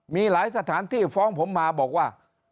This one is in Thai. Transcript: มีหลายสถานที่ฟ้องผมมาบอกว่า